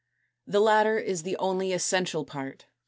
The latter is the only essential part.